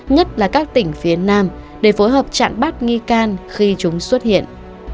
nhất là các tỉnh phía nam để phối hợp chặn bắt nghi can khi chúng xuất hiện